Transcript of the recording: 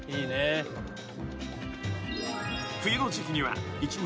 ［冬の時季には一日